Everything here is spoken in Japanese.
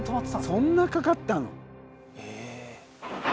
そんなかかったの？